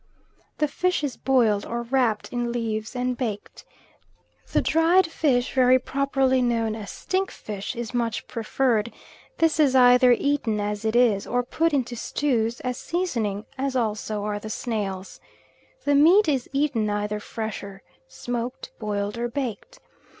The fish is boiled, or wrapped in leaves and baked. The dried fish, very properly known as stink fish, is much preferred; this is either eaten as it is, or put into stews as seasoning, as also are the snails. The meat is eaten either fresh or smoked, boiled or baked.